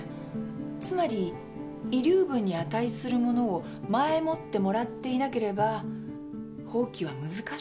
つまり遺留分に値する物を前もってもらっていなければ放棄は難しいということなんです。